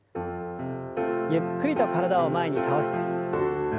ゆっくりと体を前に倒して。